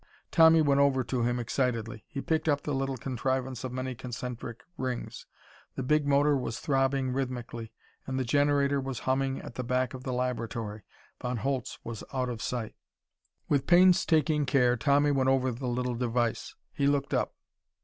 Tommy went over to him excitedly. He picked up the little contrivance of many concentric rings. The big motor was throbbing rhythmically, and the generator was humming at the back of the laboratory. Von Holtz was out of sight. With painstaking care Tommy went over the little device. He looked up.